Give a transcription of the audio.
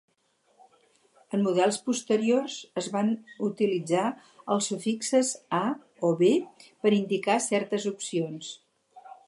En models posteriors es van utilitzar els sufixes "A" o "B" per indicar certes opcions.